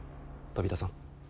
飛田さん。